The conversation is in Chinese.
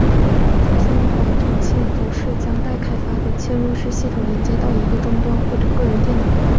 在线仿真器总是将待开发的嵌入式系统连接到一个终端或个人电脑。